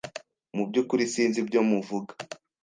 Mu byukuri sinzi ibyo muvuga.